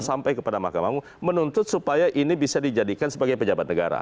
sampai kepada mahkamah menuntut supaya ini bisa dijadikan sebagai pejabat negara